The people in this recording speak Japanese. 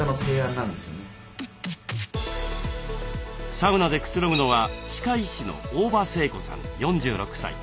サウナでくつろぐのは歯科医師の大庭聖子さん４６歳。